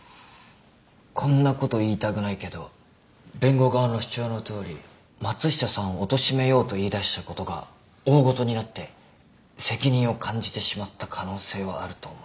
こんなこと言いたくないけど弁護側の主張のとおり松下さんをおとしめようと言いだしたことが大ごとになって責任を感じてしまった可能性はあると思う。